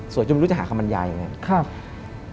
จนไม่รู้จะหาคำบรรยายอย่างนี้